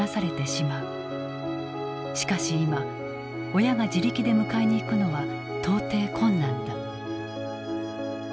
しかし今親が自力で迎えに行くのは到底困難だ。